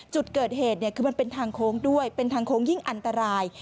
จุดเกิดเหตุเนี่ยคือมันเป็นทางโค้งด้วยเป็นทางโค้งยิ่งอันตราย